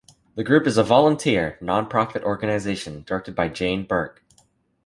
The group is a volunteer, non-profit organization, directed by Jane Burke.